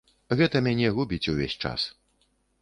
Гэта мяне губіць увесь час.